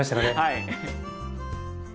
はい！